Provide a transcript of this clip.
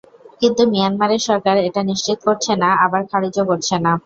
কিন্তু মিয়ানমারের সরকার এটা নিশ্চিত করছে না, আবার খারিজও করছে না।